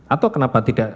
atau kenapa tidak